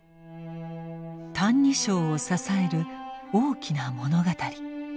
「歎異抄」を支える大きな物語。